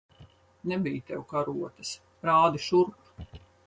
Nebij tev karotes. Rādi šurp!